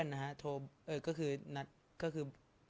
สงฆาตเจริญสงฆาตเจริญ